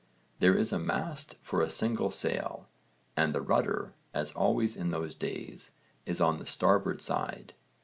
There is a mast for a single sail, and the rudder, as always in those days, is on the starboard side.